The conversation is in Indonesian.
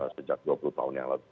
sejak dua puluh tahun yang lalu